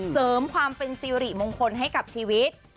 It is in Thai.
เสริมความเป็นสิริมงคลให้กับชีวิต